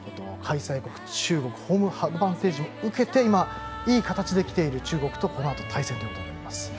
開催国・中国ホームアドバンテージを受けて今、いい形で来ている中国とこのあと対戦となります。